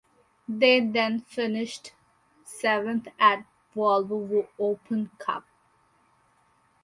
They then finished seventh at Volvo Open Cup.